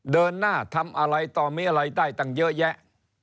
เดินหน้าทำอะไรต่อมีอะไรได้ตั้งเยอะแยะ